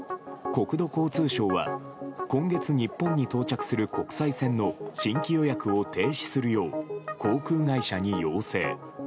国土交通省は今月日本に到着する国際線の新規予約を停止するよう航空会社に要請。